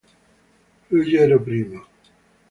Ruggero I